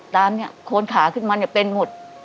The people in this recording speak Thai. ตามคลดขาขึ้นมาเนี่ยเป็นหมด